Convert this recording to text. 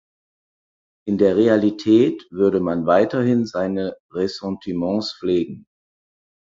In der Realität würde man weiterhin seine Ressentiments pflegen.